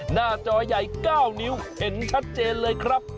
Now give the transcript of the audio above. หน้าจอใหญ่๙นิ้วเห็นชัดเจนเลยครับ